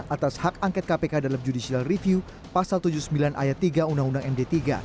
atas hak angket kpk dalam judicial review pasal tujuh puluh sembilan ayat tiga undang undang md tiga